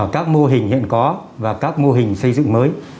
các mô hình hiện có và các mô hình xây dựng mới